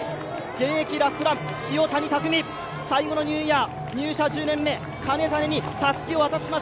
現役ラストラン、清谷匠、最後のニューイヤー入社１０年目、金谷にたすきを渡します。